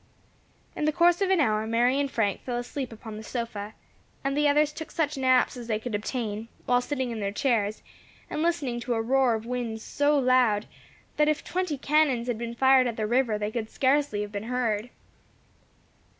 In the course of an hour, Mary and Frank fell asleep upon the sofa, and the others took such naps as they could obtain, while sitting in their chairs, and listening to a roar of winds so loud, that if twenty cannons had been fired at the river they could scarcely have been heard.